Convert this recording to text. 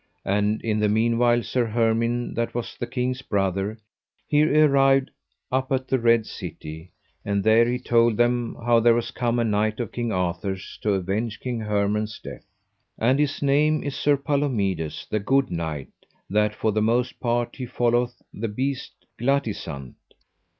And in the meanwhile Sir Hermind that was the king's brother, he arrived up at the Red City, and there he told them how there was come a knight of King Arthur's to avenge King Hermance's death: And his name is Sir Palomides, the good knight, that for the most part he followeth the beast Glatisant.